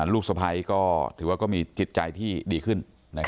ลูกสะพ้ายก็ถือว่าก็มีจิตใจที่ดีขึ้น